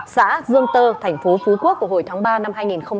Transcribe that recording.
xã dương tơ tp phú quốc của hội tháng ba năm hai nghìn hai mươi hai